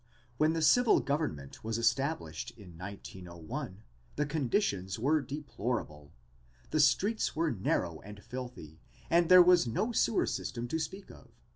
When civil government was established in 1901 the conditions were deplorable. The streets were narrow and filthy and there was no sewer system to speak of.